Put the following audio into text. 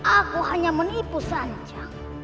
aku hanya menipu sancang